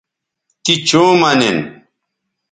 تی چوں مہ نن